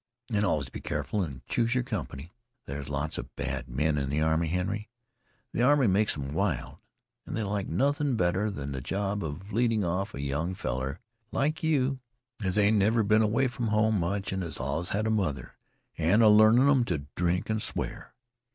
"An' allus be careful an' choose yer comp'ny. There's lots of bad men in the army, Henry. The army makes 'em wild, and they like nothing better than the job of leading off a young feller like you, as ain't never been away from home much and has allus had a mother, an' a learning 'em to drink and swear.